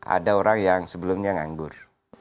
ada orang yang sebelumnya nganggur